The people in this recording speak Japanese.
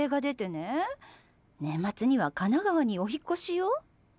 年末には神奈川にお引っ越しよ。